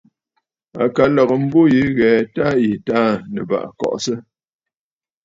À ka lɔ̀gə mbû yì ɨ ghɛ tâ yì Taà Nɨ̀bàʼà kɔʼɔsə.